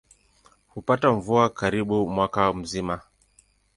Hupata mvua karibu mwaka mzima.